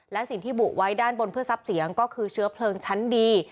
และสิ่งที่บุไว้ด้านบนเพื่อทรัพย์เสียงก็คือเชื้อเพลิงชั้นดี